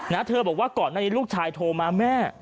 เธอบอกว่าก่อนหน้านี้ลูกชายโทรมาแม่